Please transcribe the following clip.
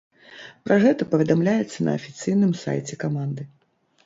Пра гэта паведамляецца на афіцыйным сайце каманды.